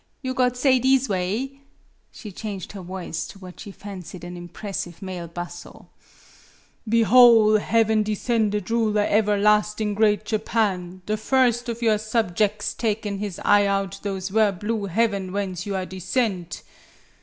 You got say these way " she changed her voice to what she fancied an impressive male basso: "' Behole, Heaven Descended Ruler Ever lasting Great Japan, the first of your subjecks taken his eye out those ver' blue heaven whence you are descend!'